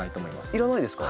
要らないですか。